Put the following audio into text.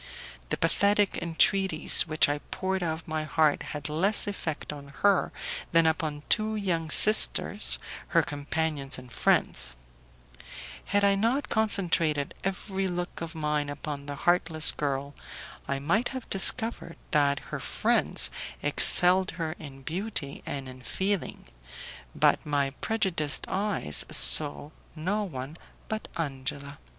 The pathetic entreaties which I poured out of my heart had less effect upon her than upon two young sisters, her companions and friends: had I not concentrated every look of mine upon the heartless girl, I might have discovered that her friends excelled her in beauty and in feeling, but my prejudiced eyes saw no one but Angela.